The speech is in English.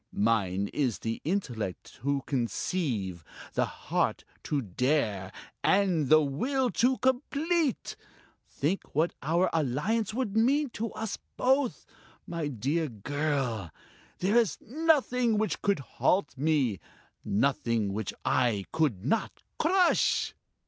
Mine is the intellect to conceive, the heart to dare, and the will to complete! Think what our alliance would mean to us both.... My dear girl there is nothing which could halt me, nothing which I could not crush!"